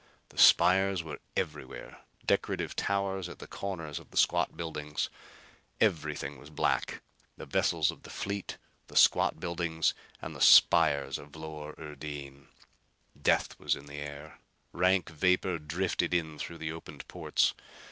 The spires were everywhere, decorative towers at the corners of the squat buildings. Everything was black, the vessels of the fleet, the squat buildings and the spires of Vlor urdin. Death was in the air. Rank vapor drifted in through the opened ports.